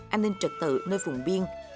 an ninh trật tự nơi vùng biên